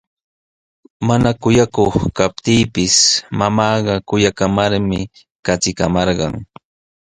Mana kuyakuq kaptiipis mamaaqa kuyamarmi traskimarqan.